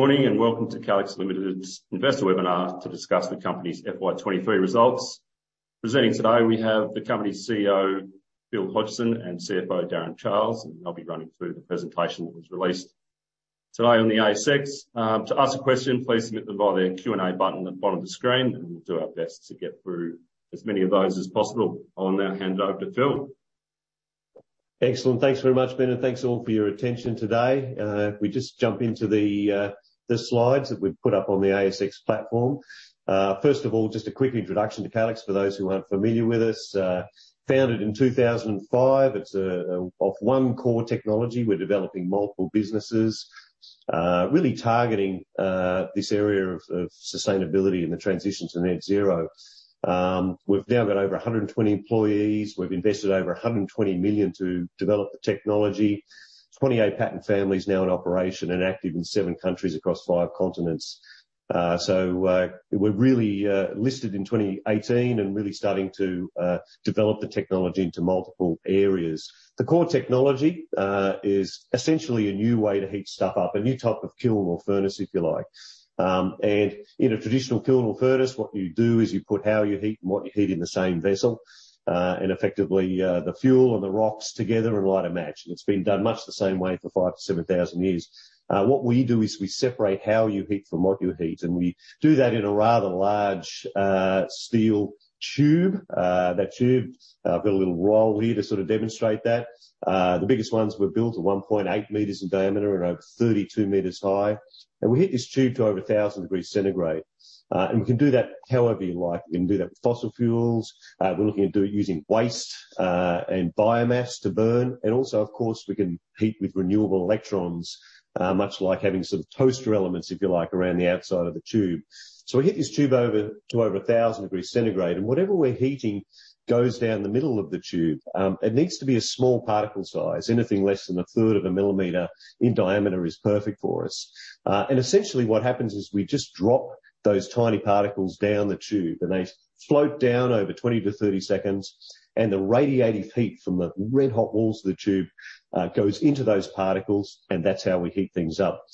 Morning, and welcome to Calix Limited's investor webinar to discuss the company's FY 2023 results. Presenting today, we have the company's CEO, Phil Hodgson, and CFO, Darren Charles, and they'll be running through the presentation that was released today on the ASX. To ask a question, please submit them via the Q&A button at the bottom of the screen, and we'll do our best to get through as many of those as possible. I'll now hand over to Phil. Excellent. Thanks very much, Ben, and thanks all for your attention today. If we just jump into the slides that we've put up on the ASX platform. First of all, just a quick introduction to Calix for those who aren't familiar with us. Founded in 2005, it's off one core technology. We're developing multiple businesses, really targeting this area of sustainability and the transition to net zero. We've now got over 120 employees. We've invested over 120 million to develop the technology. 28 patent families now in operation and active in seven countries across five continents. So, we're really listed in 2018 and really starting to develop the technology into multiple areas. The core technology is essentially a new way to heat stuff up, a new type of kiln or furnace, if you like. In a traditional kiln or furnace, what you do is you put how you heat and what you heat in the same vessel, and effectively, the fuel and the rocks together and light a match. And it's been done much the same way for 5,000-7,000 years. What we do is we separate how you heat from what you heat, and we do that in a rather large, steel tube. That tube, I've got a little roll here to sort of demonstrate that. The biggest ones we've built are 1.8 meters in diameter and over 32 meters high. And we heat this tube to over 1,000 degrees centigrade. And we can do that however you like. We can do that with fossil fuels. We're looking to do it using waste and biomass to burn. And also, of course, we can heat with renewable electrons, much like having sort of toaster elements, if you like, around the outside of the tube. So we heat this tube over, to over 1,000 degrees centigrade, and whatever we're heating goes down the middle of the tube. It needs to be a small particle size. Anything less than a third of a millimeter in diameter is perfect for us. And essentially, what happens is we just drop those tiny particles down the tube, and they float down over 20-30 seconds, and the radiative heat from the red-hot walls of the tube goes into those particles, and that's how we heat things up.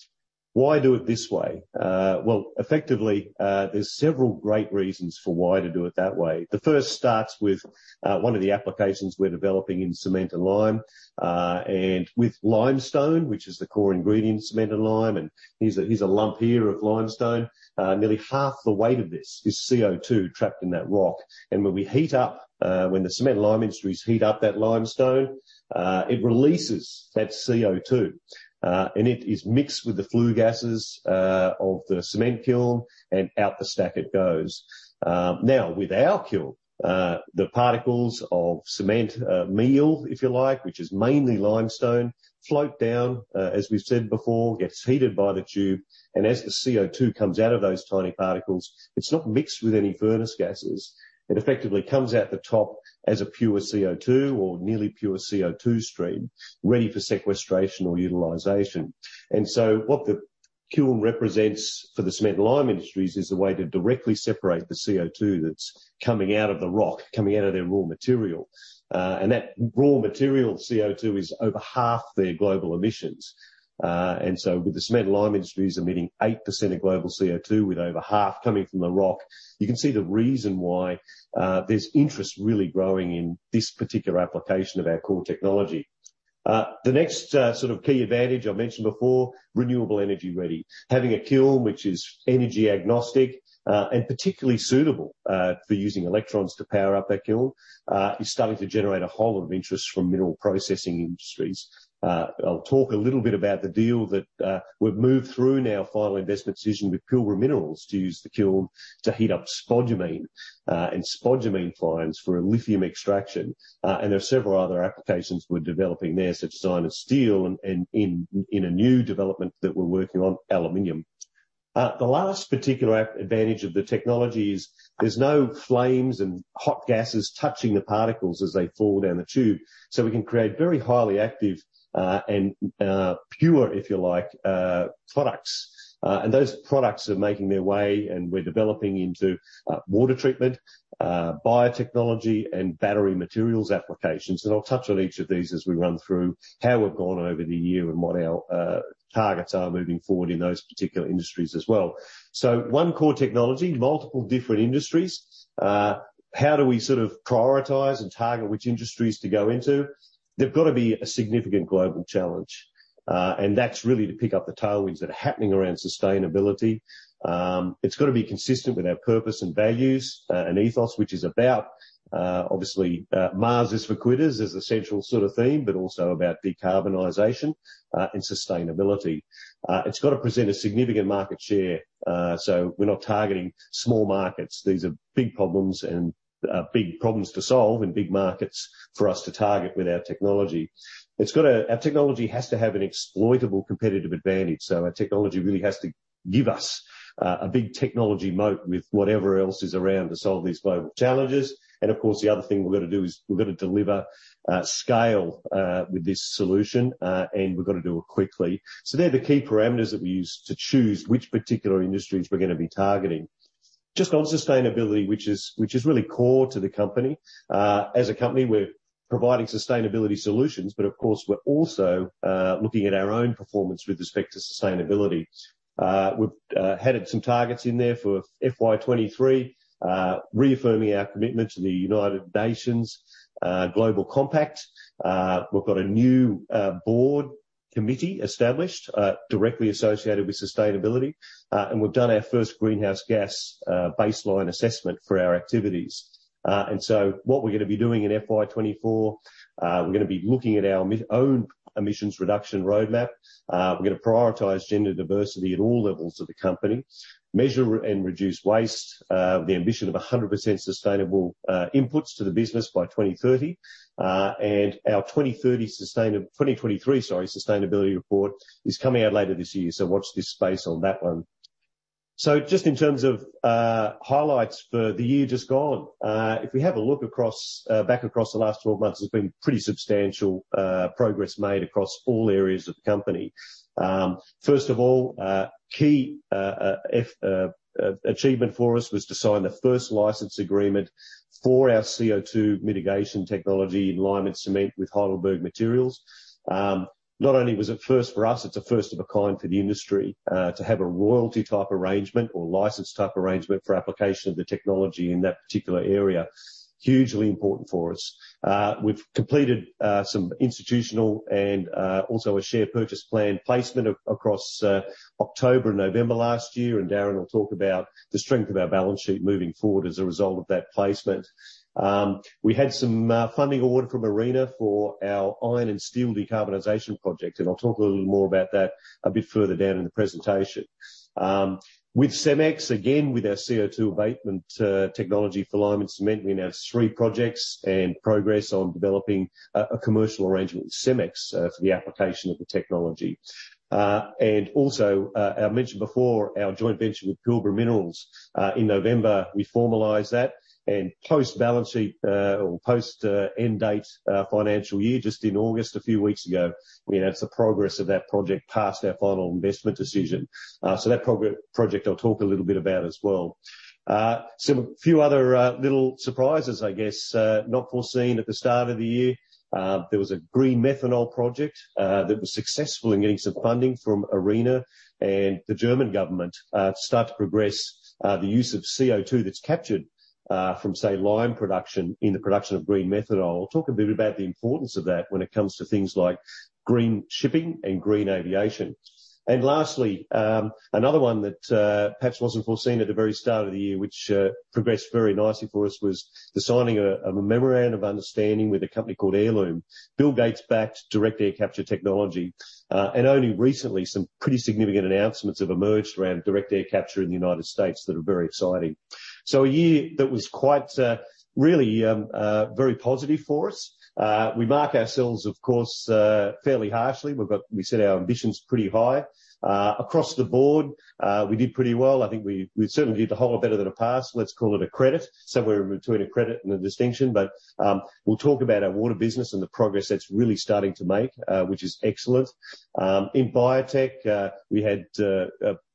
Why do it this way? Well, effectively, there's several great reasons for why to do it that way. The first starts with one of the applications we're developing in cement and lime. And with limestone, which is the core ingredient in cement and lime, and here's a lump here of limestone. Nearly half the weight of this is CO2 trapped in that rock. And when we heat up, when the cement and lime industries heat up that limestone, it releases that CO2, and it is mixed with the flue gases of the cement kiln, and out the stack it goes. Now, with our kiln, the particles of cement meal, if you like, which is mainly limestone, float down, as we've said before, gets heated by the tube, and as the CO2 comes out of those tiny particles, it's not mixed with any furnace gases. It effectively comes out the top as a pure CO2 or nearly pure CO2 stream, ready for sequestration or utilization. And so what the kiln represents for the cement and lime industries is a way to directly separate the CO2 that's coming out of the rock, coming out of their raw material. And that raw material CO2 is over half their global emissions. And so with the cement and lime industries emitting 8% of global CO2, with over half coming from the rock, you can see the reason why there's interest really growing in this particular application of our core technology. The next sort of key advantage I mentioned before, renewable energy-ready. Having a kiln, which is energy agnostic, and particularly suitable for using electrons to power up that kiln, is starting to generate a whole lot of interest from mineral processing industries. I'll talk a little bit about the deal that we've moved through now, final investment decision with Pilbara Minerals to use the kiln to heat up spodumene and spodumene fines for lithium extraction. There are several other applications we're developing there, such as iron and steel, and in a new development that we're working on, aluminum. The last particular advantage of the technology is there's no flames and hot gases touching the particles as they fall down the tube, so we can create very highly active, and pure, if you like, products. And those products are making their way, and we're developing into water treatment, biotechnology, and battery materials applications. And I'll touch on each of these as we run through how we've gone over the year and what our targets are moving forward in those particular industries as well. So one core technology, multiple different industries. How do we sort of prioritize and target which industries to go into? They've got to be a significant global challenge, and that's really to pick up the tailwinds that are happening around sustainability. It's got to be consistent with our purpose and values, and ethos, which is about, obviously, Mars is for quitters is the central sort of theme, but also about decarbonization, and sustainability. It's got to present a significant market share, so we're not targeting small markets. These are big problems and, big problems to solve and big markets for us to target with our technology. It's got to... Our technology has to have an exploitable competitive advantage, so our technology really has to give us, a big technology moat with whatever else is around to solve these global challenges. Of course, the other thing we've got to do is we've got to deliver scale with this solution and we've got to do it quickly. They're the key parameters that we use to choose which particular industries we're going to be targeting. Just on sustainability, which is really core to the company. As a company, we're providing sustainability solutions, but of course, we're also looking at our own performance with respect to sustainability. We've added some targets in there for FY 2023, reaffirming our commitment to the United Nations Global Compact. We've got a new board committee established directly associated with sustainability and we've done our first greenhouse gas baseline assessment for our activities. And so what we're gonna be doing in FY 2024, we're gonna be looking at our own emissions reduction roadmap. We're gonna prioritize gender diversity at all levels of the company, measure and reduce waste, with the ambition of 100% sustainable inputs to the business by 2030. And our 2023, sorry, sustainability report is coming out later this year. So watch this space on that one. So just in terms of, highlights for the year just gone, if we have a look across, back across the last 12 months, there's been pretty substantial, progress made across all areas of the company. First of all, key achievement for us was to sign the first license agreement for our CO2 mitigation technology in lime and cement with Heidelberg Materials. Not only was it first for us, it's a first of a kind for the industry, to have a royalty-type arrangement or license-type arrangement for application of the technology in that particular area. Hugely important for us. We've completed some institutional and also a share purchase plan placement across October and November last year, and Darren will talk about the strength of our balance sheet moving forward as a result of that placement. We had some funding award from ARENA for our iron and steel decarbonization project, and I'll talk a little more about that a bit further down in the presentation. With CEMEX, again, with our CO2 abatement technology for lime and cement, we now have 3 projects and progress on developing a commercial arrangement with CEMEX for the application of the technology. And also, I mentioned before our joint venture with Pilbara Minerals. In November, we formalized that, and post-balance sheet, or post end date, financial year, just in August, a few weeks ago, we announced the progress of that project passed our final investment decision. So that project, I'll talk a little bit about as well. Some few other little surprises, I guess, not foreseen at the start of the year. There was a green methanol project that was successful in getting some funding from ARENA and the German government to start to progress the use of CO2 that's captured from, say, lime production in the production of green methanol. I'll talk a bit about the importance of that when it comes to things like green shipping and green aviation. Lastly, another one that perhaps wasn't foreseen at the very start of the year, which progressed very nicely for us, was the signing of a memorandum of understanding with a company called Heirloom. Bill Gates backed direct air capture technology, and only recently, some pretty significant announcements have emerged around direct air capture in the United States that are very exciting. So a year that was quite really very positive for us. We mark ourselves, of course, fairly harshly. We've got, we set our ambitions pretty high. Across the board, we did pretty well. I think we certainly did a whole lot better than a pass. Let's call it a credit, somewhere in between a credit and a distinction. But we'll talk about our water business and the progress that's really starting to make, which is excellent. In biotech, we had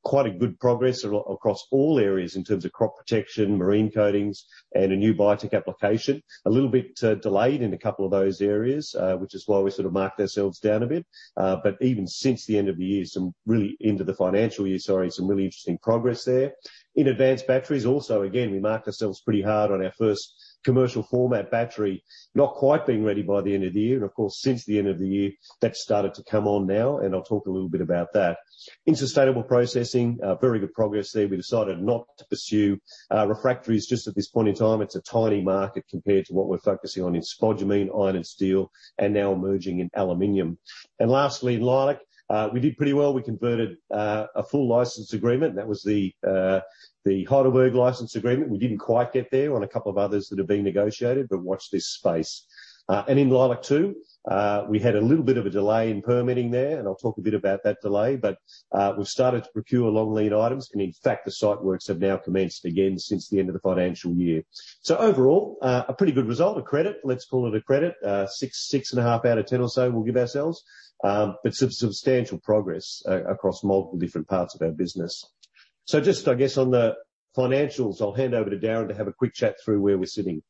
quite a good progress across all areas in terms of crop protection, marine coatings, and a new biotech application. A little bit delayed in a couple of those areas, which is why we sort of marked ourselves down a bit. But even since the end of the year, some really into the financial year, sorry, some really interesting progress there. In advanced batteries, also, again, we marked ourselves pretty hard on our first commercial format battery not quite being ready by the end of the year. And of course, since the end of the year, that's started to come on now, and I'll talk a little bit about that. In sustainable processing, very good progress there. We decided not to pursue refractories just at this point in time. It's a tiny market compared to what we're focusing on in spodumene, iron and steel, and now emerging in aluminum. And lastly, in Leilac, we did pretty well. We converted a full license agreement. That was the Heidelberg license agreement. We didn't quite get there on a couple of others that have been negotiated, but watch this space. And in Leilac-2, we had a little bit of a delay in permitting there, and I'll talk a bit about that delay, but we've started to procure long lead items, and in fact, the site works have now commenced again since the end of the financial year. So overall, a pretty good result, a credit. Let's call it a credit, 6, 6.5 out of 10 or so we'll give ourselves. But substantial progress across multiple different parts of our business. So just, I guess, on the financials, I'll hand over to Darren to have a quick chat through where we're sitting.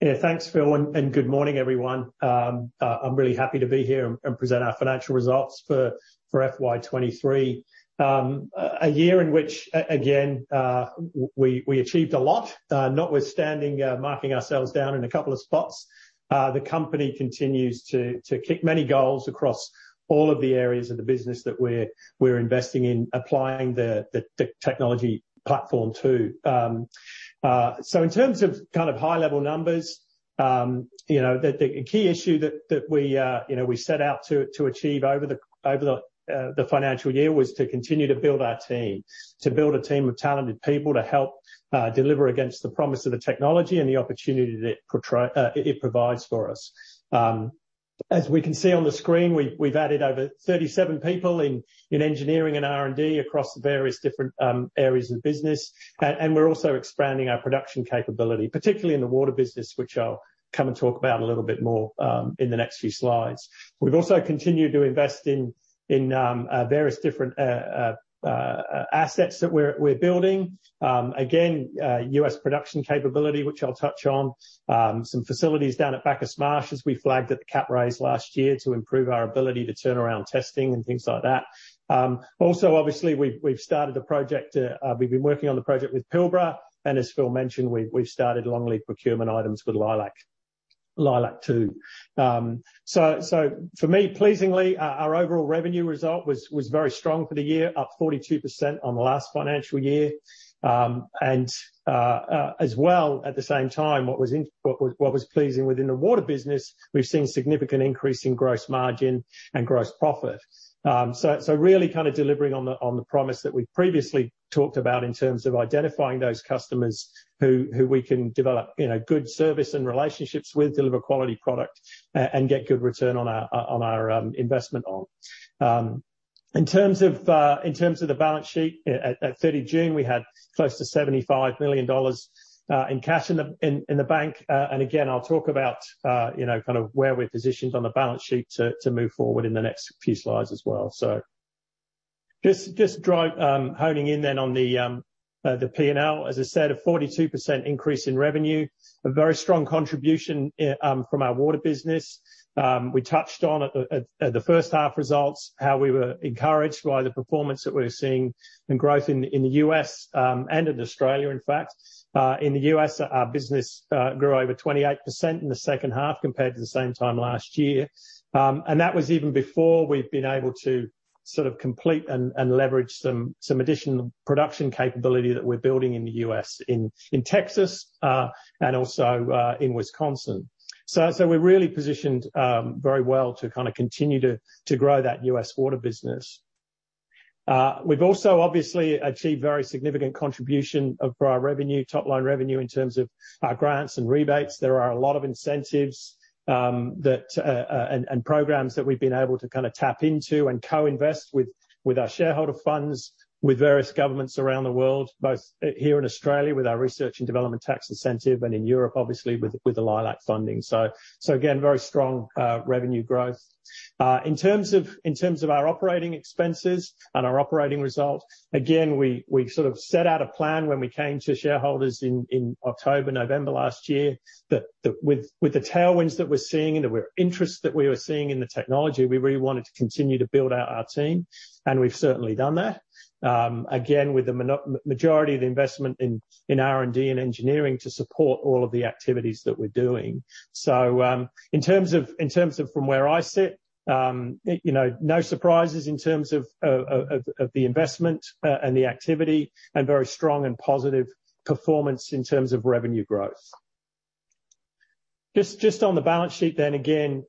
Yeah, thanks, Phil, and good morning, everyone. I'm really happy to be here and present our financial results for FY 2023. A year in which again we achieved a lot, notwithstanding marking ourselves down in a couple of spots. The company continues to kick many goals across all of the areas of the business that we're investing in applying the technology platform to. So in terms of kind of high-level numbers, you know, the key issue that we set out to achieve over the financial year was to continue to build our team. To build a team of talented people to help deliver against the promise of the technology and the opportunity that it provides for us. As we can see on the screen, we've added over 37 people in engineering and R&D across the various different areas of the business. And we're also expanding our production capability, particularly in the water business, which I'll come and talk about a little bit more in the next few slides. We've also continued to invest in various different assets that we're building. Again, U.S. production capability, which I'll touch on. Some facilities down at Bacchus Marsh, as we flagged at the cap raise last year, to improve our ability to turn around testing and things like that. Also, obviously, we've started a project, we've been working on the project with Pilbara, and as Phil mentioned, we've started long lead procurement items with Leilac, Leilac-2. So, for me, pleasingly, our overall revenue result was very strong for the year, up 42% on the last financial year. And, as well, at the same time, what was pleasing within the water business, we've seen significant increase in gross margin and gross profit. So, really kind of delivering on the promise that we previously talked about in terms of identifying those customers who we can develop, you know, good service and relationships with, deliver quality product, and get good return on our investment on. In terms of the balance sheet, at 30 June, we had close to 75 million dollars in cash in the bank. And again, I'll talk about, you know, kind of where we're positioned on the balance sheet to move forward in the next few slides as well, so. Just honing in then on the P&L. As I said, a 42% increase in revenue, a very strong contribution from our water business. We touched on at the first half results, how we were encouraged by the performance that we're seeing and growth in the US and in Australia, in fact. In the US, our business grew over 28% in the second half compared to the same time last year. And that was even before we've been able to sort of complete and leverage some additional production capability that we're building in the U.S., in Texas, and also in Wisconsin. So we're really positioned very well to kind of continue to grow that U.S. water business. We've also obviously achieved very significant contribution of our revenue, top-line revenue, in terms of our grants and rebates. There are a lot of incentives and programs that we've been able to kind of tap into and co-invest with our shareholder funds with various governments around the world, both here in Australia, with our research and development tax incentive, and in Europe, obviously, with the Leilac funding. So again, very strong revenue growth. In terms of our operating expenses and our operating results, again, we sort of set out a plan when we came to shareholders in October, November last year, that with the tailwinds that we're seeing and the interest that we were seeing in the technology, we really wanted to continue to build out our team, and we've certainly done that. Again, with the majority of the investment in R&D and engineering to support all of the activities that we're doing. So, in terms of from where I sit, you know, no surprises in terms of the investment and the activity, and very strong and positive performance in terms of revenue growth. Just on the balance sheet then again,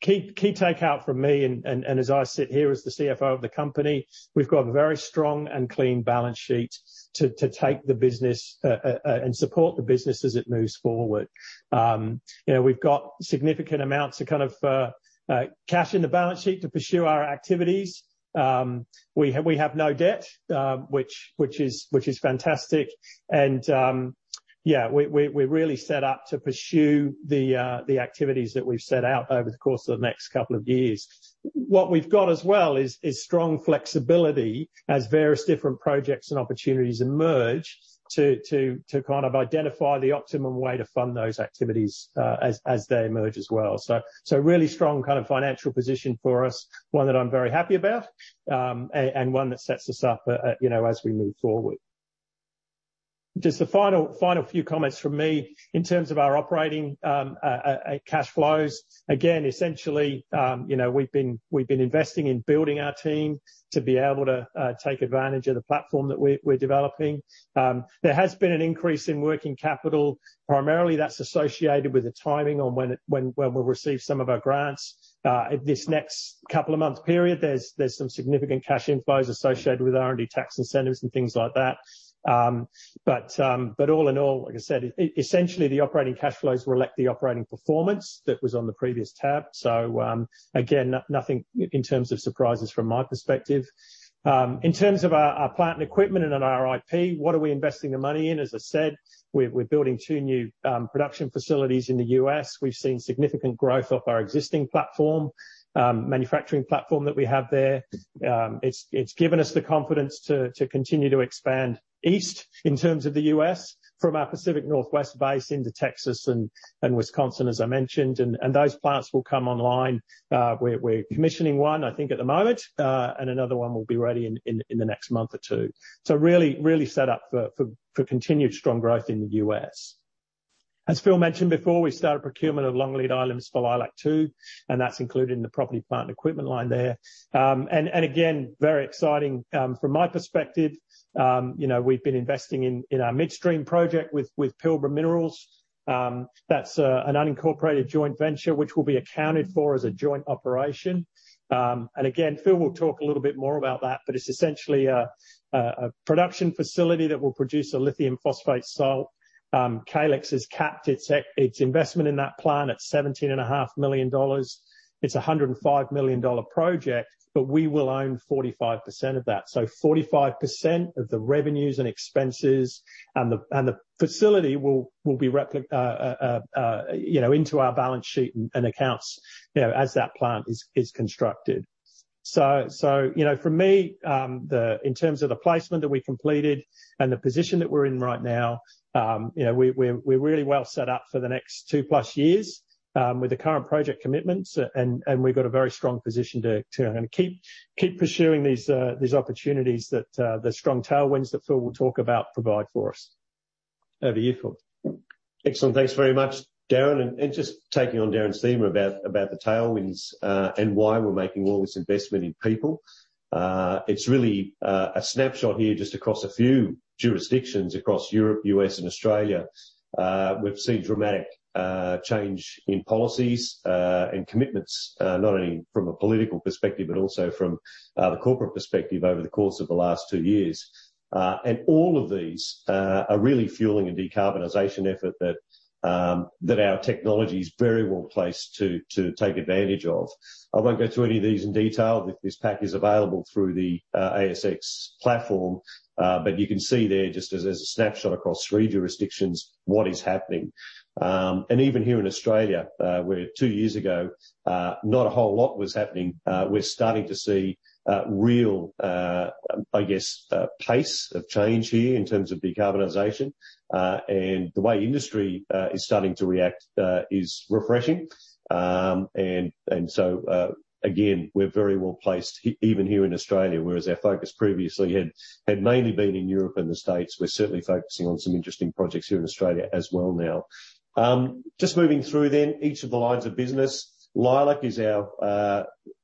key takeout from me, and as I sit here as the CFO of the company, we've got a very strong and clean balance sheet to take the business and support the business as it moves forward. You know, we've got significant amounts of kind of cash in the balance sheet to pursue our activities. We have no debt, which is fantastic. Yeah, we're really set up to pursue the activities that we've set out over the course of the next couple of years. What we've got as well is strong flexibility as various different projects and opportunities emerge, to kind of identify the optimum way to fund those activities, as they emerge as well. So really strong kind of financial position for us, one that I'm very happy about, and one that sets us up, you know, as we move forward. Just the final few comments from me in terms of our operating cash flows. Again, essentially, you know, we've been investing in building our team to be able to take advantage of the platform that we're developing. There has been an increase in working capital. Primarily, that's associated with the timing on when it, when we'll receive some of our grants. This next couple of month period, there's, there's some significant cash inflows associated with R&D tax incentives and things like that. But, but all in all, like I said, essentially, the operating cash flows reflect the operating performance that was on the previous tab. So, again, nothing in terms of surprises from my perspective. In terms of our, our plant and equipment and our IP, what are we investing the money in? As I said, we're, we're building two new production facilities in the US. We've seen significant growth of our existing platform, manufacturing platform that we have there. It's, it's given us the confidence to, to continue to expand east in terms of the US, from our Pacific Northwest base into Texas and, and Wisconsin, as I mentioned, and, and those plants will come online. We're commissioning one, I think, at the moment, and another one will be ready in the next month or two. So really set up for continued strong growth in the U.S. As Phil mentioned before, we started procurement of long-lead items for Leilac-2, and that's included in the property, plant, and equipment line there. And again, very exciting from my perspective, you know, we've been investing in our midstream project with Pilbara Minerals. That's an unincorporated joint venture, which will be accounted for as a joint operation. And again, Phil will talk a little bit more about that, but it's essentially a production facility that will produce a lithium phosphate salt. Calix has capped its investment in that plant at 17.5 million dollars. It's a 105 million dollar project, but we will own 45% of that. So 45% of the revenues and expenses and the, and the facility will be replicated, you know, into our balance sheet and accounts, you know, as that plant is constructed. So, you know, for me, in terms of the placement that we completed and the position that we're in right now, you know, we're really well set up for the next 2+ years with the current project commitments, and we've got a very strong position to keep pursuing these opportunities that the strong tailwinds that Phil will talk about provide for us. Over to you, Phil. Excellent. Thanks very much, Darren, and just taking on Darren's theme about the tailwinds and why we're making all this investment in people. It's really a snapshot here just across a few jurisdictions across Europe, U.S., and Australia. We've seen dramatic change in policies and commitments, not only from a political perspective, but also from the corporate perspective over the course of the last two years. And all of these are really fueling a decarbonization effort that our technology is very well placed to take advantage of. I won't go through any of these in detail. This pack is available through the ASX platform, but you can see there just as a snapshot across three jurisdictions, what is happening. And even here in Australia, where two years ago, not a whole lot was happening, we're starting to see real, I guess, pace of change here in terms of decarbonization. And the way industry is starting to react is refreshing. And so, again, we're very well placed even here in Australia, whereas our focus previously had mainly been in Europe and the States. We're certainly focusing on some interesting projects here in Australia as well now. Just moving through then, each of the lines of business. Leilac is our,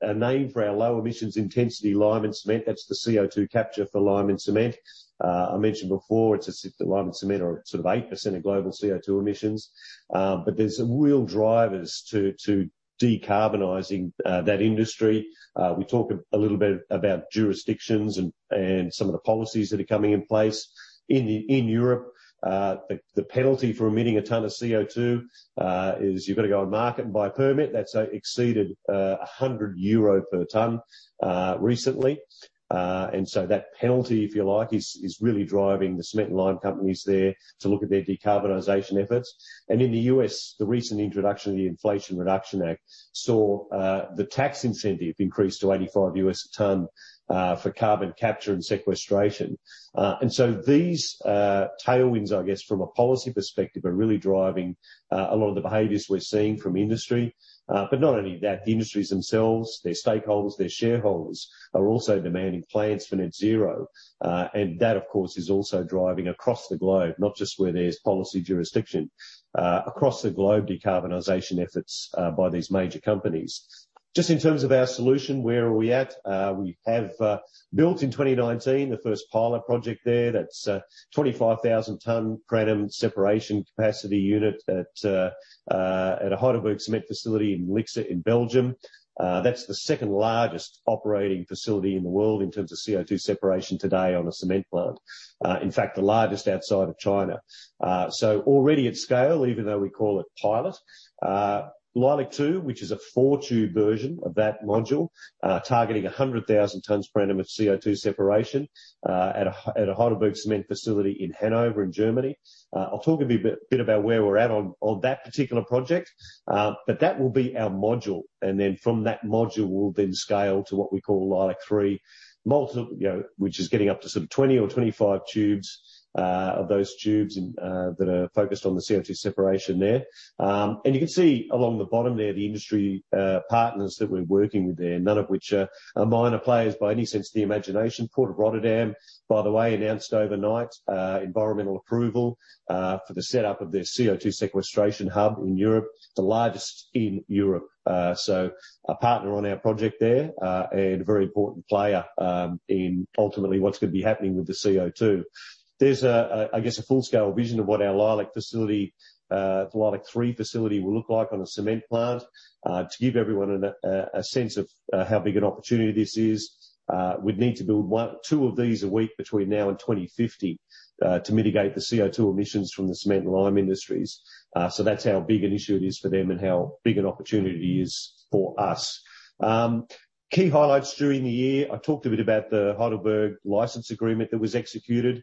a name for our Low Emissions Intensity Lime and Cement. That's the CO2 capture for lime and cement. I mentioned before, it's as if the lime and cement are sort of 8% of global CO2 emissions, but there's some real drivers to decarbonizing that industry. We talked a little bit about jurisdictions and some of the policies that are coming in place. In Europe, the penalty for emitting a ton of CO2 is you've got to go on the market and buy a permit. That's exceeded 100 euro per ton recently. And so that penalty, if you like, is really driving the cement and lime companies there to look at their decarbonization efforts. And in the U.S., the recent introduction of the Inflation Reduction Act saw the tax incentive increase to $85 a ton for carbon capture and sequestration. And so these tailwinds, I guess, from a policy perspective, are really driving a lot of the behaviors we're seeing from industry. But not only that, the industries themselves, their stakeholders, their shareholders, are also demanding plans for net zero. And that, of course, is also driving across the globe, not just where there's policy jurisdiction. Across the globe, decarbonization efforts by these major companies. Just in terms of our solution, where are we at? We have built in 2019 the first pilot project there. That's a 25,000 tonnes per annum separation capacity unit at a Heidelberg Materials facility in Lixhe in Belgium. That's the second largest operating facility in the world in terms of CO2 separation today on a cement plant. In fact, the largest outside of China. So already at scale, even though we call it pilot. Leilac-2, which is a four tube version of that module, targeting 100,000 tons per annum of CO2 separation, at a Heidelberg Materials facility in Hanover, Germany. I'll talk a bit about where we're at on that particular project, but that will be our module, and then from that module, we'll then scale to what we call Leilac-3. Multiple. You know, which is getting up to some 20 or 25 tubes of those tubes and that are focused on the CO2 separation there. And you can see along the bottom there, the industry partners that we're working with there, none of which are minor players by any sense of the imagination. Port of Rotterdam, by the way, announced overnight environmental approval for the setup of their CO2 sequestration hub in Europe, the largest in Europe. So a partner on our project there, and a very important player in ultimately what's going to be happening with the CO2. There's, I guess, a full-scale vision of what our Leilac facility, the Leilac-3 facility will look like on a cement plant. To give everyone a sense of how big an opportunity this is, we'd need to build one to two of these a week between now and 2050 to mitigate the CO2 emissions from the cement and lime industries. So that's how big an issue it is for them and how big an opportunity it is for us. Key highlights during the year. I talked a bit about the Heidelberg license agreement that was executed.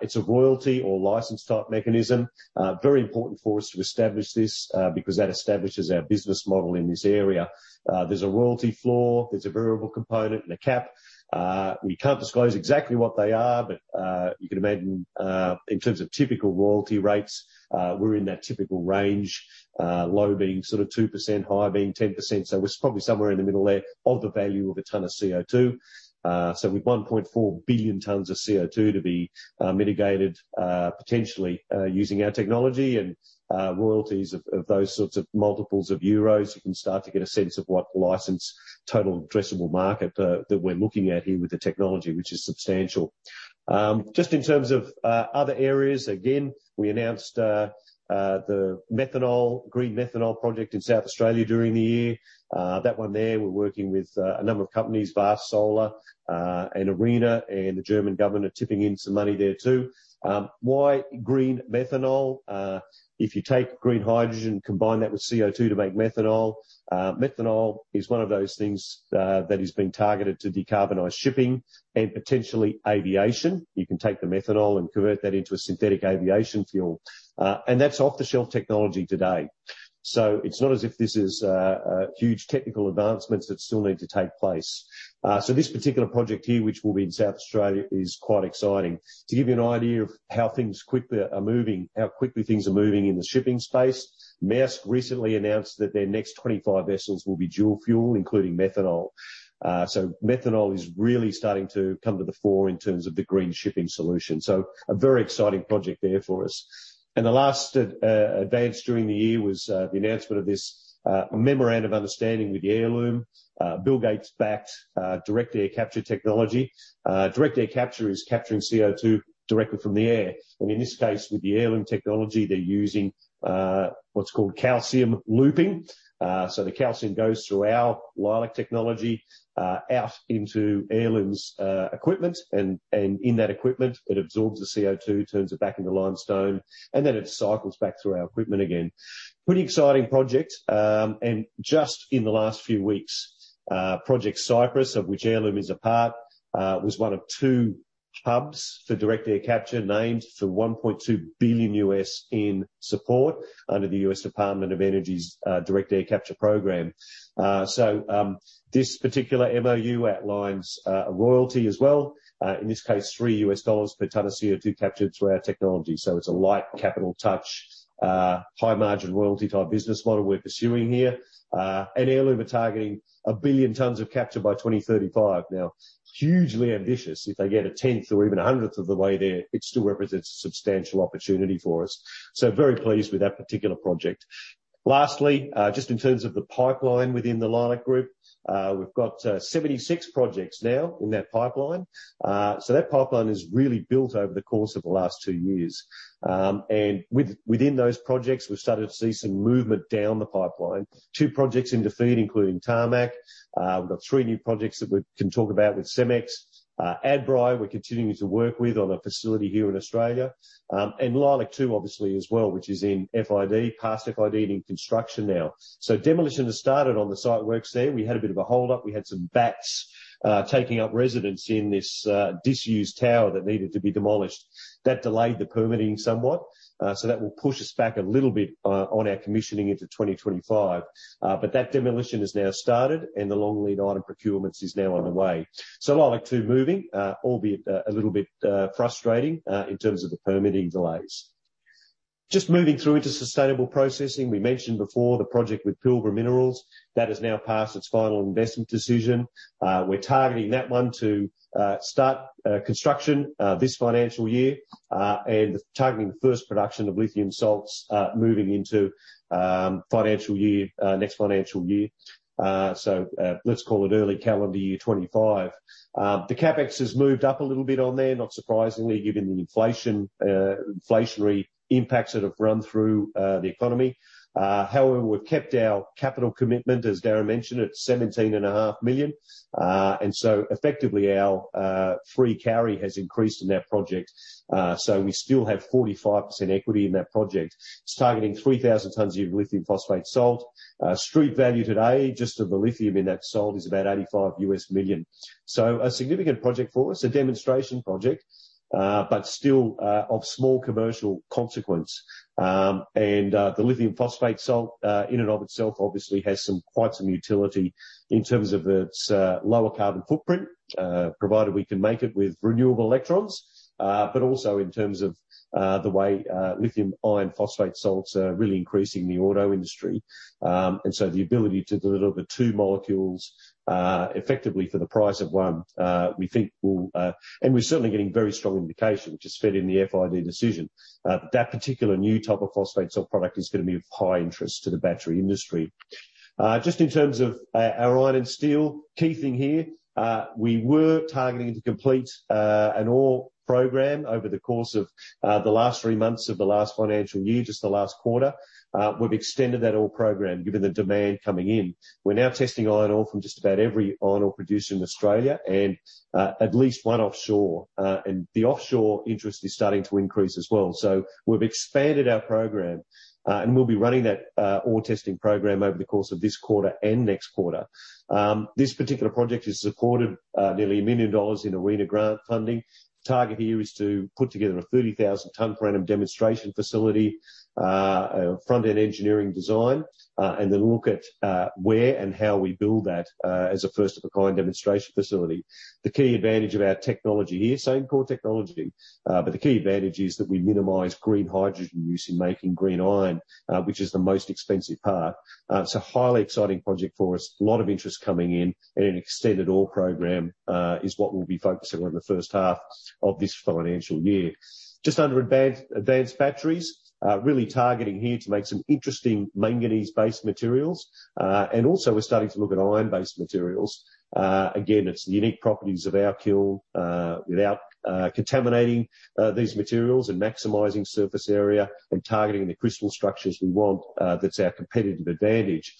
It's a royalty or license type mechanism. Very important for us to establish this, because that establishes our business model in this area. There's a royalty floor, there's a variable component, and a cap. We can't disclose exactly what they are, but, you can imagine, in terms of typical royalty rates, we're in that typical range, low being sort of 2%, high being 10%, so it's probably somewhere in the middle there of the value of a ton of CO2. So with 1.4 billion tons of CO2 to be mitigated, potentially, using our technology and royalties of those sorts of multiples of euros, you can start to get a sense of what the license total addressable market that we're looking at here with the technology, which is substantial. Just in terms of other areas, again, we announced the methanol-green methanol project in South Australia during the year. That one there, we're working with a number of companies, Vast Solar, and ARENA, and the German government are chipping in some money there, too. Why green methanol? If you take green hydrogen, combine that with CO2 to make methanol, methanol is one of those things that is being targeted to decarbonize shipping and potentially aviation. You can take the methanol and convert that into a synthetic aviation fuel. And that's off-the-shelf technology today.... So it's not as if this is, huge technical advancements that still need to take place. So this particular project here, which will be in South Australia, is quite exciting. To give you an idea of how things quickly are moving, how quickly things are moving in the shipping space, Maersk recently announced that their next 25 vessels will be dual fuel, including methanol. So methanol is really starting to come to the fore in terms of the green shipping solution. So a very exciting project there for us. And the last, advance during the year was, the announcement of this, memorandum of understanding with the Heirloom, Bill Gates-backed, direct air capture technology. Direct air capture is capturing CO2 directly from the air, and in this case, with the Heirloom technology, they're using what's called calcium looping. So the calcium goes through our Leilac technology out into Heirloom's equipment, and in that equipment, it absorbs the CO2, turns it back into limestone, and then it cycles back through our equipment again. Pretty exciting project. And just in the last few weeks, Project Cypress, of which Heirloom is a part, was one of two hubs for direct air capture, named for $1.2 billion in support under the U.S. Department of Energy's Direct Air Capture program. So, this particular MOU outlines a royalty as well. In this case, $3 per ton of CO2 captured through our technology. So it's a light capital touch, high-margin, royalty-type business model we're pursuing here. And Heirloom are targeting 1 billion tons of capture by 2035. Now, hugely ambitious. If they get a tenth or even a hundredth of the way there, it still represents a substantial opportunity for us, so very pleased with that particular project. Lastly, just in terms of the pipeline within the Leilac group, we've got 76 projects now in that pipeline. So that pipeline has really built over the course of the last two years. And within those projects, we've started to see some movement down the pipeline. Two projects into FEED, including Tarmac. We've got three new projects that we can talk about with CEMEX. Adbri, we're continuing to work with on a facility here in Australia. And Leilac-2, obviously, as well, which is in FID, past FID and in construction now. So demolition has started on the site works there. We had a bit of a hold up. We had some bats taking up residence in this disused tower that needed to be demolished. That delayed the permitting somewhat, so that will push us back a little bit on our commissioning into 2025. But that demolition has now started, and the long lead item procurements is now underway. So Leilac-2 moving, albeit a little bit frustrating in terms of the permitting delays. Just moving through into sustainable processing. We mentioned before the project with Pilbara Minerals, that has now passed its final investment decision. We're targeting that one to start construction this financial year, and targeting the first production of lithium salts, moving into financial year next financial year. So, let's call it early calendar year 2025. The CapEx has moved up a little bit on there, not surprisingly, given the inflation, inflationary impacts that have run through the economy. However, we've kept our capital commitment, as Darren mentioned, at 17.5 million. And so effectively, our free carry has increased in that project, so we still have 45% equity in that project. It's targeting 3,000 tons of lithium phosphate salt. Street value today, just of the lithium in that salt, is about $85 million. So a significant project for us, a demonstration project, but still, of small commercial consequence. And the lithium phosphate salt, in and of itself, obviously has some, quite some utility in terms of its, lower carbon footprint, provided we can make it with renewable electrons. But also in terms of, the way, lithium iron phosphate salts are really increasing in the auto industry. And so the ability to deliver the two molecules, effectively for the price of one, we think will... And we're certainly getting very strong indication, which is fed in the FID decision, that that particular new type of phosphate salt product is gonna be of high interest to the battery industry. Just in terms of our iron and steel, key thing here, we were targeting to complete an ore program over the course of the last three months of the last financial year, just the last quarter. We've extended that ore program given the demand coming in. We're now testing iron ore from just about every iron ore producer in Australia and at least one offshore, and the offshore interest is starting to increase as well. So we've expanded our program, and we'll be running that ore testing program over the course of this quarter and next quarter. This particular project is supported nearly 1 million dollars in ARENA grant funding. The target here is to put together a 30,000-ton per annum demonstration facility, a front-end engineering design, and then look at where and how we build that, as a first-of-its-kind demonstration facility. The key advantage of our technology here, same core technology, but the key advantage is that we minimize green hydrogen use in making green iron, which is the most expensive part. It's a highly exciting project for us. A lot of interest coming in, and an extended ore program is what we'll be focusing on in the first half of this financial year. Just under advanced batteries, really targeting here to make some interesting manganese-based materials. And also we're starting to look at iron-based materials. Again, it's the unique properties of our kiln, without contaminating these materials and maximizing surface area and targeting the crystal structures we want, that's our competitive advantage.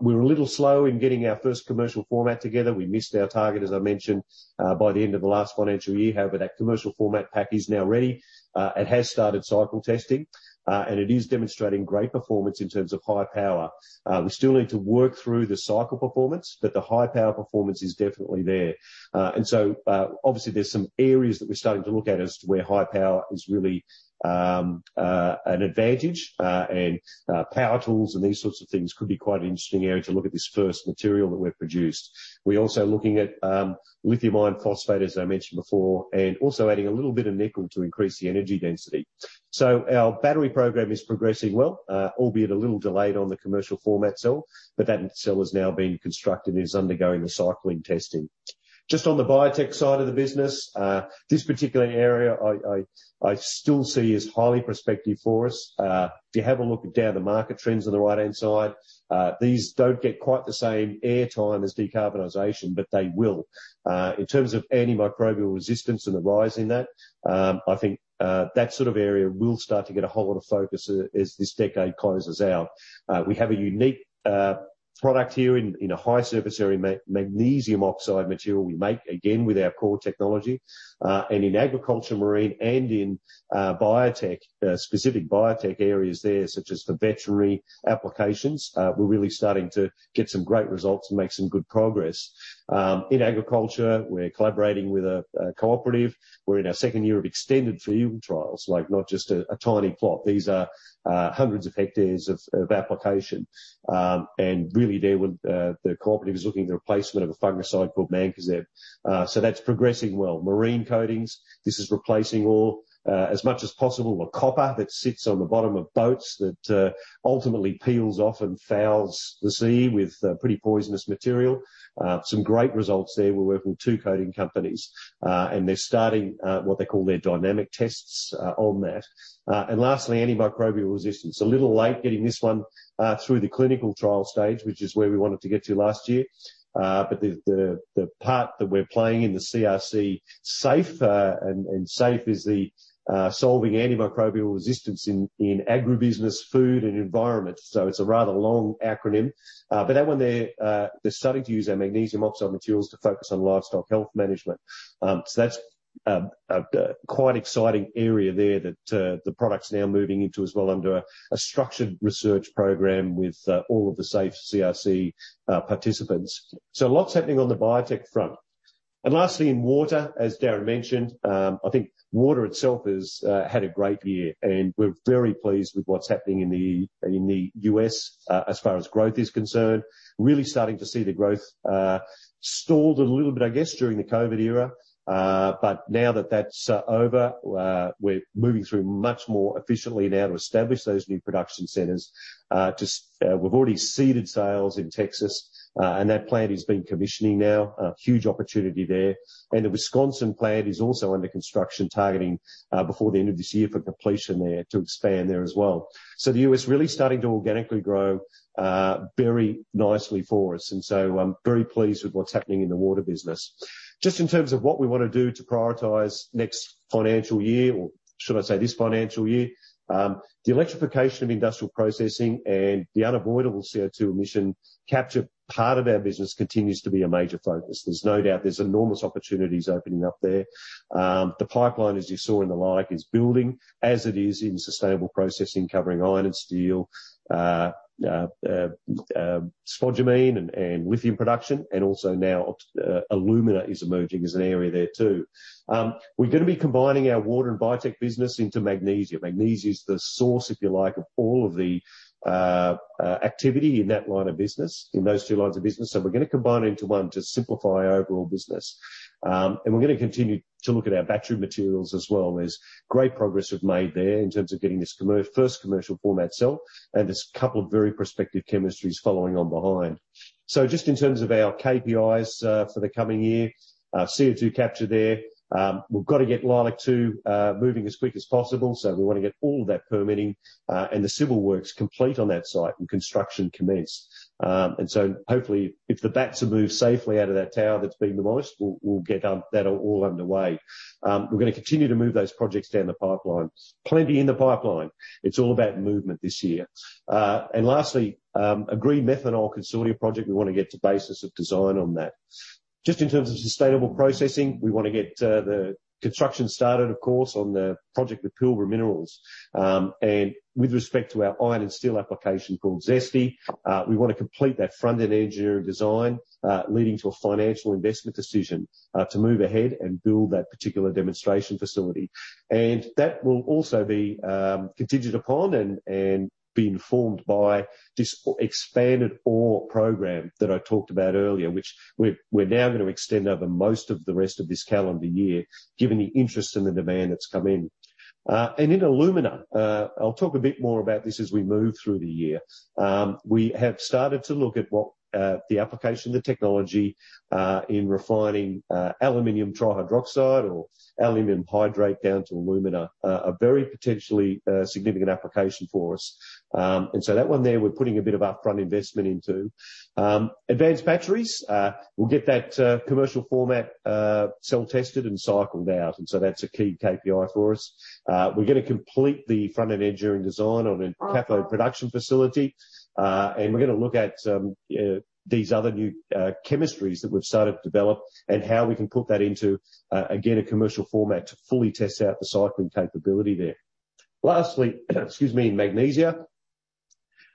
We were a little slow in getting our first commercial format together. We missed our target, as I mentioned, by the end of the last financial year. However, that commercial format pack is now ready. It has started cycle testing, and it is demonstrating great performance in terms of high power. We still need to work through the cycle performance, but the high power performance is definitely there. So, obviously, there are some areas that we're starting to look at as to where high power is really an advantage, and power tools and these sorts of things could be quite an interesting area to look at this first material that we've produced. We're also looking at lithium iron phosphate, as I mentioned before, and also adding a little bit of nickel to increase the energy density. So our battery program is progressing well, albeit a little delayed on the commercial format cell, but that cell has now been constructed and is undergoing the cycling testing. Just on the biotech side of the business, this particular area, I still see as highly prospective for us. If you have a look down the market trends on the right-hand side, these don't get quite the same air time as decarbonization, but they will.... In terms of antimicrobial resistance and the rise in that, I think that sort of area will start to get a whole lot of focus as this decade closes out. We have a unique product here in a high-surface area magnesium oxide material we make, again, with our core technology. And in agriculture, marine, and biotech, specific biotech areas there, such as for veterinary applications, we're really starting to get some great results and make some good progress. In agriculture, we're collaborating with a cooperative. We're in our second year of extended field trials, like, not just a tiny plot. These are hundreds of hectares of application. And really there with the cooperative is looking at the replacement of a fungicide called Mancozeb. So that's progressing well. Marine coatings, this is replacing all, as much as possible, the copper that sits on the bottom of boats that ultimately peels off and fouls the sea with pretty poisonous material. Some great results there. We're working with two coating companies, and they're starting what they call their dynamic tests on that. And lastly, antimicrobial resistance. A little late getting this one through the clinical trial stage, which is where we wanted to get to last year. But the part that we're playing in the CRC SAAFE, and SAAFE is the Solving Antimicrobial Resistance in Agribusiness, Food, and Environment, so it's a rather long acronym. But that one there, they're starting to use our magnesium oxide materials to focus on livestock health management. So that's a quite exciting area there that the product's now moving into as well under a structured research program with all of the SAAFE CRC participants. So lots happening on the biotech front. Lastly, in water, as Darren mentioned, I think water itself has had a great year, and we're very pleased with what's happening in the U.S. as far as growth is concerned. Really starting to see the growth stalled a little bit, I guess, during the COVID era. But now that that's over, we're moving through much more efficiently now to establish those new production centers. Just, we've already seeded sales in Texas, and that plant is being commissioned now. A huge opportunity there. And the Wisconsin plant is also under construction, targeting before the end of this year for completion there to expand there as well. So the U.S. really starting to organically grow very nicely for us, and so I'm very pleased with what's happening in the water business. Just in terms of what we wanna do to prioritize next financial year, or should I say this financial year, the electrification of industrial processing and the unavoidable CO2 emission capture part of our business continues to be a major focus. There's no doubt there's enormous opportunities opening up there. The pipeline, as you saw in the like, is building as it is in sustainable processing, covering iron and steel, spodumene and lithium production, and also now, alumina is emerging as an area there, too. We're gonna be combining our water and biotech business into magnesia. Magnesia is the source, if you like, of all of the activity in that line of business, in those two lines of business, so we're gonna combine into one to simplify our overall business. And we're gonna continue to look at our battery materials as well. There's great progress we've made there in terms of getting this first commercial format cell, and there's a couple of very prospective chemistries following on behind. So just in terms of our KPIs, for the coming year, CO2 capture there, we've got to get Leilac-2 moving as quick as possible, so we wanna get all of that permitting, and the civil works complete on that site, and construction commenced. And so hopefully, if the bats are moved safely out of that tower that's been demolished, we'll get that all underway. We're gonna continue to move those projects down the pipeline. Plenty in the pipeline. It's all about movement this year. And lastly, a green methanol consortium project, we wanna get to basis of design on that. Just in terms of sustainable processing, we wanna get the construction started, of course, on the project with Pilbara Minerals. And with respect to our iron and steel application called ZESTY, we wanna complete that front-end engineering design, leading to a financial investment decision, to move ahead and build that particular demonstration facility. That will also be contingent upon and be informed by this expanded ore program that I talked about earlier, which we're now gonna extend over most of the rest of this calendar year, given the interest and the demand that's come in. And in alumina, I'll talk a bit more about this as we move through the year. We have started to look at what the application of the technology in refining aluminum trihydroxide or aluminum hydrate down to alumina, a very potentially significant application for us. And so that one there, we're putting a bit of upfront investment into. Advanced batteries, we'll get that commercial format cell tested and cycled out, and so that's a key KPI for us. We're gonna complete the front-end engineering design on a cathode production facility, and we're gonna look at these other new chemistries that we've started to develop and how we can put that into, again, a commercial format to fully test out the cycling capability there. Lastly, excuse me, in magnesia,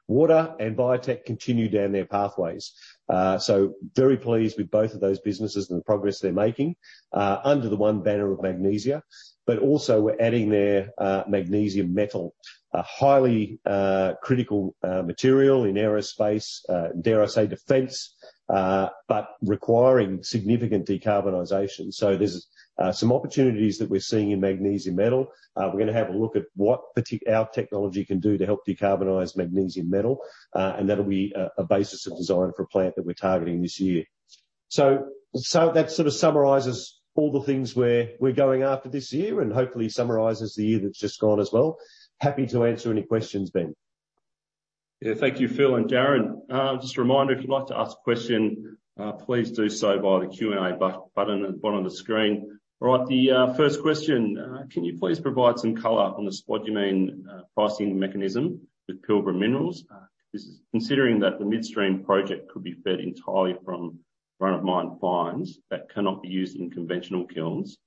water and biotech continue down their pathways. So very pleased with both of those businesses and the progress they're making under the one banner of magnesia, but also we're adding there magnesium metal, a highly critical material in aerospace, dare I say defense, but requiring significant decarbonization. So there's some opportunities that we're seeing in magnesium metal. We're gonna have a look at what our technology can do to help decarbonize magnesium metal, and that'll be a basis of design for a plant that we're targeting this year. So that sort of summarizes all the things we're going after this year and hopefully summarizes the year that's just gone as well. Happy to answer any questions, Ben.... Yeah, thank you, Phil and Darren. Just a reminder, if you'd like to ask a question, please do so via the Q&A button at the bottom of the screen. All right, the first question: Can you please provide some color on the spodumene pricing mechanism with Pilbara Minerals? This is considering that the midstream project could be fed entirely from run-of-mine fines that cannot be used in conventional kilns.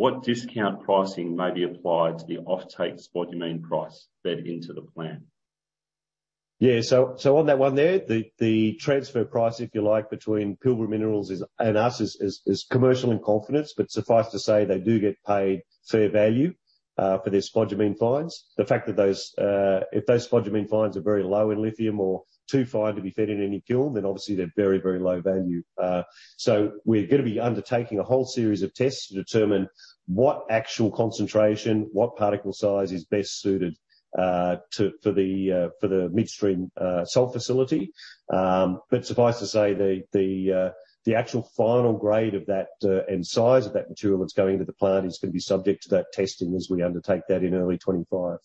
What discount pricing may be applied to the offtake spodumene price fed into the plan? Yeah, so on that one there, the transfer price, if you like, between Pilbara Minerals and us, is commercial in confidence. But suffice to say, they do get paid fair value for their spodumene fines. The fact that if those spodumene fines are very low in lithium or too fine to be fed in any kiln, then obviously they're very, very low value. So we're gonna be undertaking a whole series of tests to determine what actual concentration, what particle size is best suited for the midstream salt facility. But suffice to say, the actual final grade of that and size of that material that's going into the plant is gonna be subject to that testing as we undertake that in early 2025.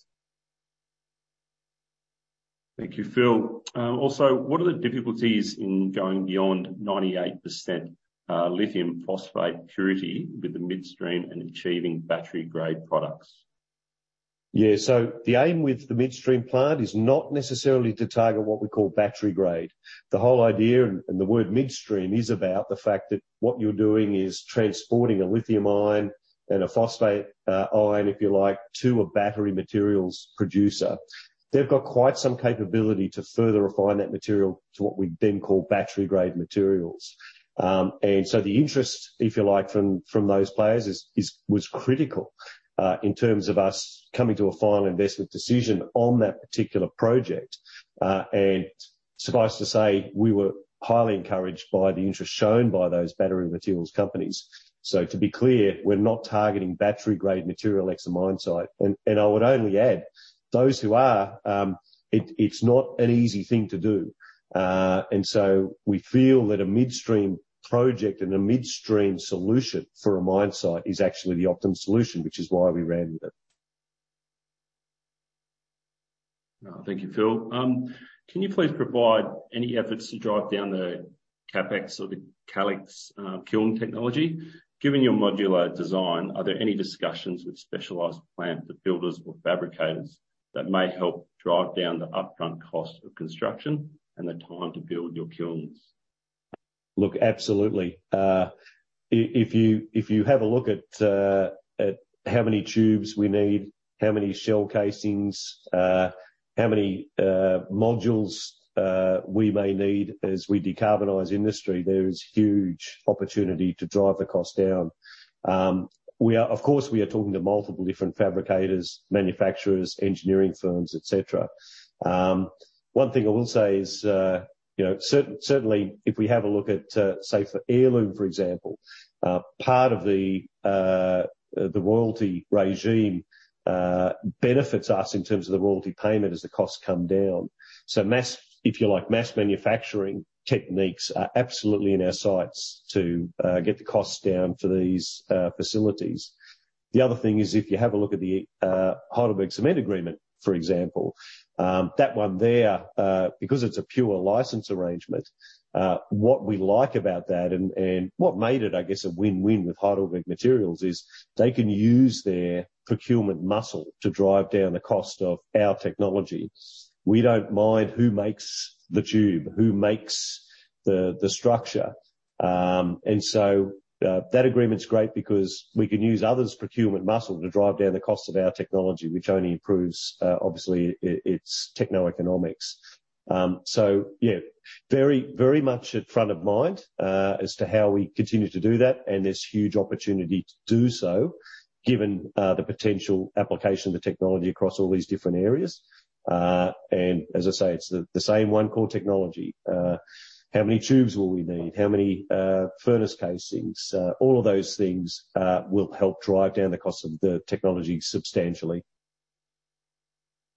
Thank you, Phil. Also, what are the difficulties in going beyond 98% lithium phosphate purity with the midstream and achieving battery-grade products? Yeah, so the aim with the midstream plant is not necessarily to target what we call battery grade. The whole idea, and the word midstream, is about the fact that what you're doing is transporting a lithium ion and a phosphate ion, if you like, to a battery materials producer. They've got quite some capability to further refine that material to what we'd then call battery-grade materials. And so the interest, if you like, from those players was critical in terms of us coming to a final investment decision on that particular project. And suffice to say, we were highly encouraged by the interest shown by those battery materials companies. So to be clear, we're not targeting battery-grade material ex the mine site, and I would only add, those who are, it's not an easy thing to do. And so we feel that a midstream project and a midstream solution for a mine site is actually the optimum solution, which is why we ran with it. Thank you, Phil. Can you please provide any efforts to drive down the CapEx of the Calix kiln technology? Given your modular design, are there any discussions with specialized plant builders or fabricators that may help drive down the upfront cost of construction and the time to build your kilns? Look, absolutely. If you, if you have a look at, at how many tubes we need, how many shell casings, how many modules, we may need as we decarbonize industry, there is huge opportunity to drive the cost down. We are. Of course, we are talking to multiple different fabricators, manufacturers, engineering firms, et cetera. One thing I will say is, you know, certainly, if we have a look at, say, for Heirloom, for example, part of the the royalty regime, benefits us in terms of the royalty payment as the costs come down. So mass, if you like, mass manufacturing techniques are absolutely in our sights to get the costs down for these facilities. The other thing is, if you have a look at the Heidelberg Materials agreement, for example, that one there, because it's a pure license arrangement, what we like about that and what made it, I guess, a win-win with Heidelberg Materials is they can use their procurement muscle to drive down the cost of our technology. We don't mind who makes the tube, who makes the structure. And so, that agreement's great because we can use others' procurement muscle to drive down the cost of our technology, which only improves, obviously, its techno economics. So yeah, very, very much at front of mind as to how we continue to do that, and there's huge opportunity to do so given the potential application of the technology across all these different areas. As I say, it's the same one core technology. How many tubes will we need? How many furnace casings? All of those things will help drive down the cost of the technology substantially.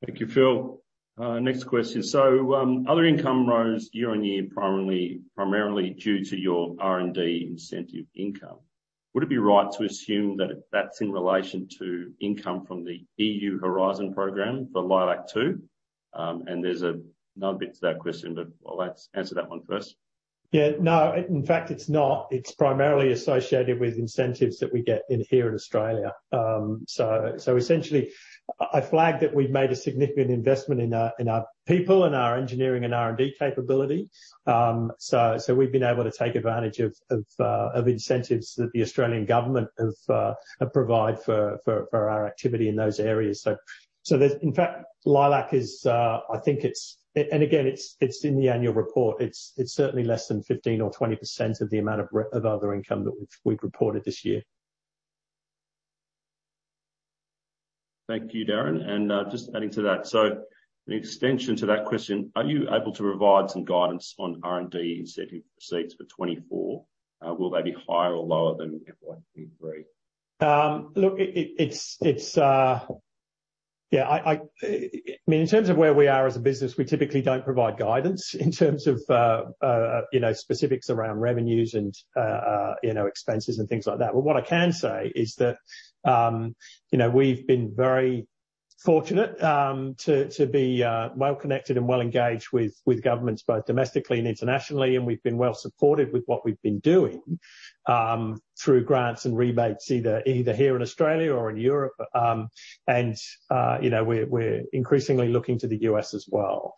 Thank you, Phil. Next question: So, other income rose year-over-year, primarily due to your R&D incentive income. Would it be right to assume that that's in relation to income from the EU Horizon program for Leilac-2? And there's another bit to that question, but I'll let you answer that one first. Yeah, no, in fact, it's not. It's primarily associated with incentives that we get here in Australia. So essentially, I flagged that we've made a significant investment in our people and our engineering and R&D capability. So we've been able to take advantage of incentives that the Australian government have provide for our activity in those areas. So there's, in fact, Leilac is, I think it's - and again, it's in the annual report. It's certainly less than 15 or 20% of the amount of R&D of other income that we've reported this year. Thank you, Darren. Just adding to that, so an extension to that question, are you able to provide some guidance on R&D incentive receipts for 2024? Will they be higher or lower than FY23? Look, yeah, I mean, in terms of where we are as a business, we typically don't provide guidance in terms of, you know, specifics around revenues and, you know, expenses and things like that. But what I can say is that, you know, we've been very-... fortunate to be well connected and well engaged with governments both domestically and internationally, and we've been well supported with what we've been doing through grants and rebates, either here in Australia or in Europe. And you know, we're increasingly looking to the US as well.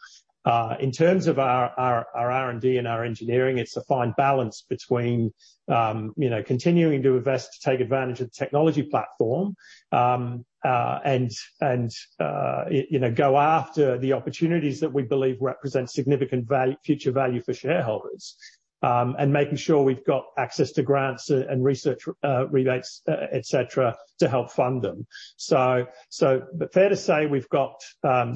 In terms of our R&D and our engineering, it's a fine balance between you know, continuing to invest to take advantage of the technology platform and you know, go after the opportunities that we believe represent significant value—future value for shareholders. And making sure we've got access to grants and research rebates, et cetera, to help fund them. So but fair to say, we've got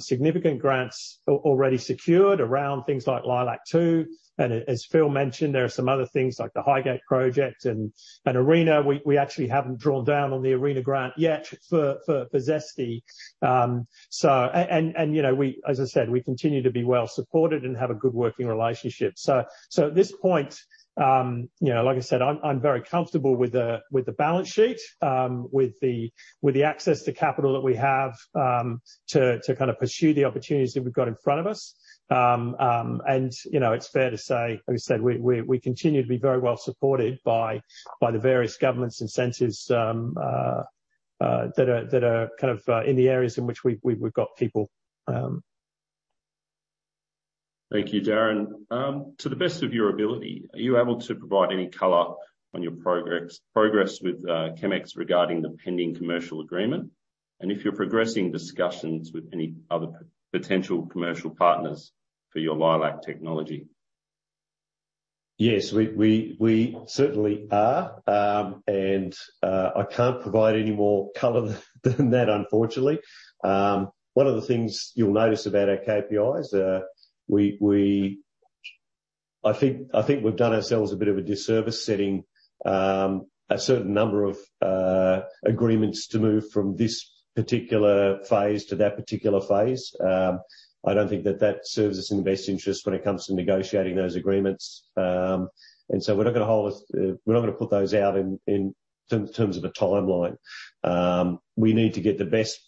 significant grants already secured around things like Leilac-2. And as Phil mentioned, there are some other things like the HyGate project and ARENA. We actually haven't drawn down on the ARENA grant yet for ZESTY. So and, you know, we—as I said, we continue to be well supported and have a good working relationship. So at this point, you know, like I said, I'm very comfortable with the balance sheet, with the access to capital that we have, to kind of pursue the opportunities that we've got in front of us. And you know, it's fair to say, like I said, we continue to be very well supported by the various governments' incentives that are kind of in the areas in which we've got people. Thank you, Darren. To the best of your ability, are you able to provide any color on your progress with CEMEX regarding the pending commercial agreement? And if you're progressing discussions with any other potential commercial partners for your Leilac technology. Yes, we certainly are. And, I can't provide any more color than that, unfortunately. One of the things you'll notice about our KPIs, we—I think we've done ourselves a bit of a disservice setting a certain number of agreements to move from this particular phase to that particular phase. I don't think that that serves us in the best interest when it comes to negotiating those agreements. And so we're not gonna put those out in terms of a timeline. We need to get the best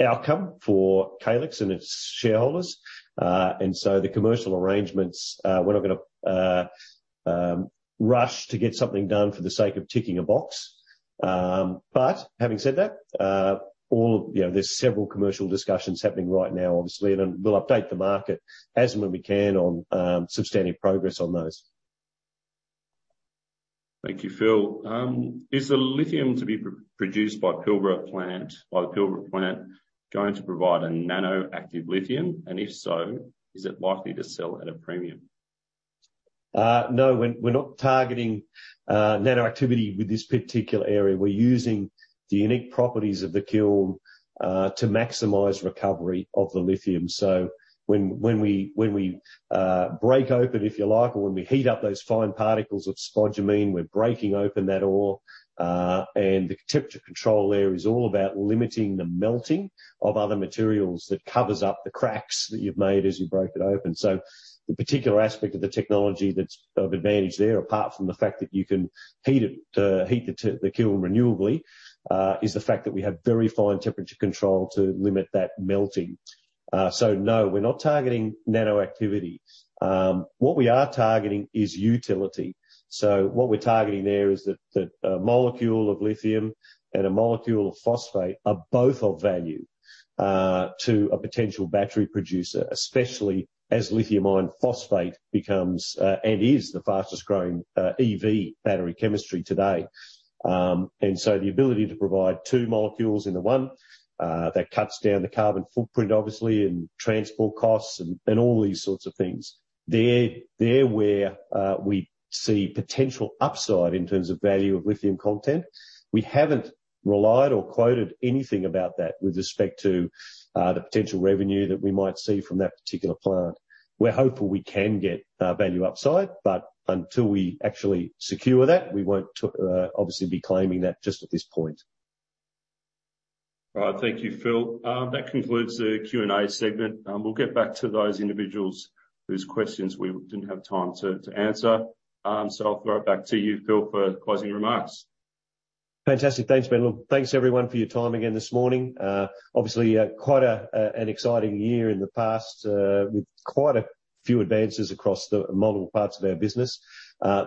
outcome for Calix and its shareholders. And so the commercial arrangements, we're not gonna rush to get something done for the sake of ticking a box. But having said that, you know, there's several commercial discussions happening right now, obviously, and then we'll update the market as and when we can on substantive progress on those. Thank you, Phil. Is the lithium to be produced by Pilbara plant, by the Pilbara plant, going to provide a nanoactive lithium? And if so, is it likely to sell at a premium? No, we're not targeting nanoactivity with this particular area. We're using the unique properties of the kiln to maximize recovery of the lithium. So when we break open, if you like, or when we heat up those fine particles of spodumene, we're breaking open that ore. And the temperature control there is all about limiting the melting of other materials that covers up the cracks that you've made as you broke it open. So the particular aspect of the technology that's of advantage there, apart from the fact that you can heat it, heat the kiln renewably, is the fact that we have very fine temperature control to limit that melting. So no, we're not targeting nanoactivities. What we are targeting is utility. So what we're targeting there is that a molecule of lithium and a molecule of phosphate are both of value to a potential battery producer, especially as lithium iron phosphate becomes and is the fastest growing EV battery chemistry today. And so the ability to provide two molecules into one that cuts down the carbon footprint, obviously, and transport costs and all these sorts of things. They're where we see potential upside in terms of value of lithium content. We haven't relied or quoted anything about that with respect to the potential revenue that we might see from that particular plant. We're hopeful we can get value upside, but until we actually secure that, we won't obviously be claiming that just at this point. All right. Thank you, Phil. That concludes the Q&A segment. We'll get back to those individuals whose questions we didn't have time to answer. So I'll throw it back to you, Phil, for closing remarks. Fantastic. Thanks, Ben. Well, thanks everyone for your time again this morning. Obviously, quite an exciting year in the past with quite a few advances across the multiple parts of our business.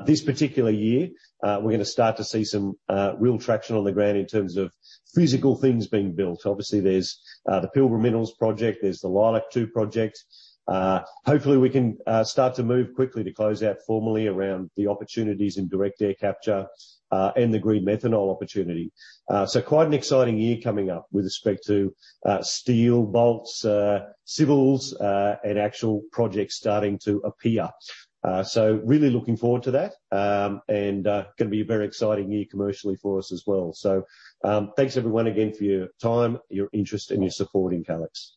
This particular year, we're gonna start to see some real traction on the ground in terms of physical things being built. Obviously, there's the Pilbara Minerals project, there's the Leilac-2 project. Hopefully, we can start to move quickly to close out formally around the opportunities in direct air capture and the green methanol opportunity. So quite an exciting year coming up with respect to steel, bolts, civils, and actual projects starting to appear. So really looking forward to that, and gonna be a very exciting year commercially for us as well. Thanks everyone again for your time, your interest, and your support in Calix.